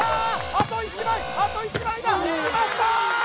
あと１枚あと１枚だきました！